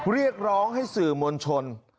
เรียกร้องให้สื่อมวลชน